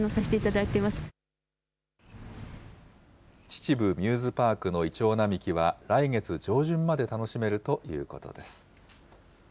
秩父ミューズパークのイチョウ並木は、来月上旬まで楽しめるということです。